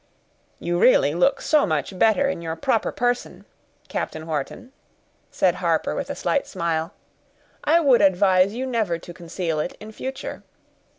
"You really look so much better in your proper person, Captain Wharton," said Harper, with a slight smile, "I would advise you never to conceal it in future.